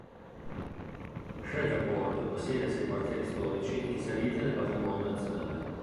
Shreveport possiede sei quartieri storici inseriti nel patrimonio nazionale.